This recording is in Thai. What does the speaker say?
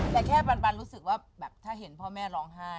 แต่แค่ปันรู้สึกว่าแบบถ้าเห็นพ่อแม่ร้องไห้